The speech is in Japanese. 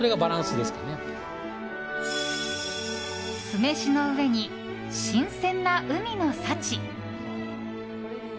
酢飯の上に、新鮮な海の幸。